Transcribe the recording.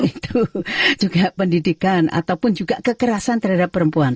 itu juga pendidikan ataupun juga kekerasan terhadap perempuan